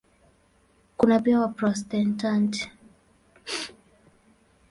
Kuna pia Waprotestanti.